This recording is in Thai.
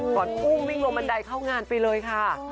ก่อนอุ่มวิงลงบนใดเข้างานไปเลยค่ะ